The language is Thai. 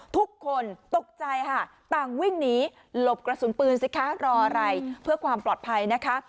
ทุกคนตกใจค่ะต่างวิ่งหนีหลบกระสุนปืนสิคะรออะไรเพื่อความปลอดภัยนะคะ